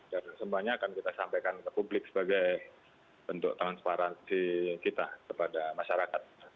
dan semuanya akan kita sampaikan ke publik sebagai bentuk transparansi kita kepada masyarakat